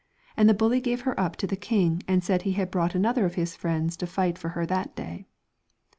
And the bully gave her up to the king, and said he had brought another of his friends to fight for her that day.